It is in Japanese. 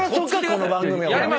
この番組。